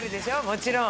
もちろん。